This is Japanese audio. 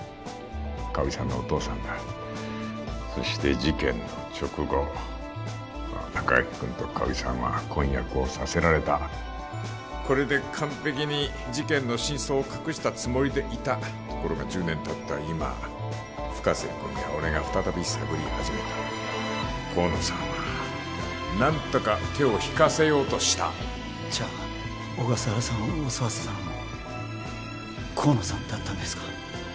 香織さんのお父さんだそして事件の直後隆明君と香織さんは婚約をさせられたこれで完璧に事件の真相を隠したつもりでいたところが１０年たった今深瀬君や俺が再び探り始めた甲野さんは何とか手を引かせようとしたじゃあ小笠原さんを襲わせたのも甲野さんだったんですか？